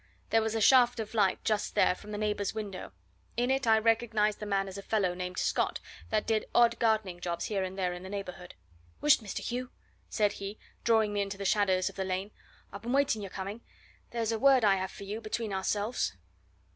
There was a shaft of light just there from a neighbour's window; in it I recognized the man as a fellow named Scott that did odd gardening jobs here and there in the neighbourhood. "Wisht, Mr. Hugh!" said he, drawing me into the shadows of the lane; "I've been waiting your coming; there's a word I have for you between ourselves."